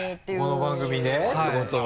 この番組でってこと？